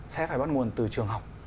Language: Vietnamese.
sẽ phải bắt nguồn từ trường học